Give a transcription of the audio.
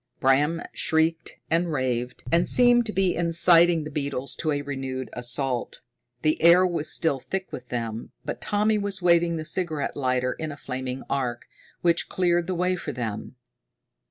Bram shrieked and raved, and seemed to be inciting the beetles to a renewed assault. The air was still thick with them, but Tommy was waving the cigarette lighter in a flaming arc, which cleared the way for them.